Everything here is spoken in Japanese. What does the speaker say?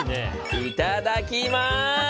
いただきまーす！